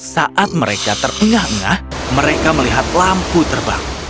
saat mereka terengah engah mereka melihat lampu terbang